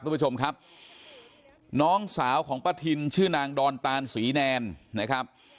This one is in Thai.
คุณผู้ชมครับน้องสาวของป้าทินชื่อนางดอนตานศรีแนนนะครับ